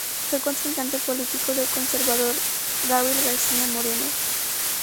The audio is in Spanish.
Fue contrincante político del conservador Gabriel García Moreno.